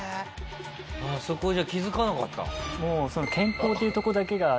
そこじゃ気づかなかった？